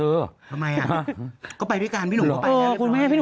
ทำไมอะก็ไปเวียการพี่หนุ่มเขาไปได้ป่ะเดี๋ยวดีกว่าแม่ใช่ไหมก็นะ